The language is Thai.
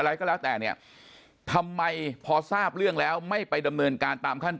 อะไรก็แล้วแต่เนี่ยทำไมพอทราบเรื่องแล้วไม่ไปดำเนินการตามขั้นตอน